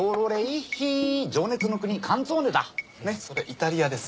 それイタリアです。